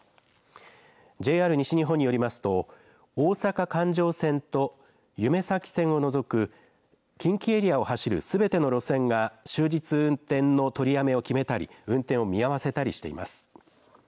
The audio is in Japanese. ＪＲ西日本によりますと大阪環状線と、ゆめ咲線を除く近畿エリアを走るすべての路線が終日、運転の取りやめを決めたり運転を見合わせたりしています。